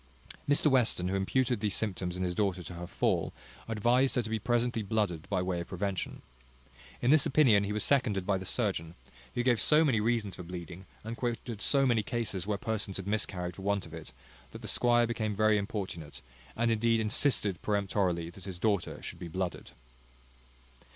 Mr Western, who imputed these symptoms in his daughter to her fall, advised her to be presently blooded by way of prevention. In this opinion he was seconded by the surgeon, who gave so many reasons for bleeding, and quoted so many cases where persons had miscarried for want of it, that the squire became very importunate, and indeed insisted peremptorily that his daughter should be blooded.